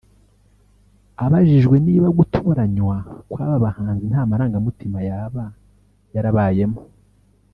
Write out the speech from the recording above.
Abajijwe niba gutoranywa kw’aba bahanzi nta marangamutima yaba yarabayemo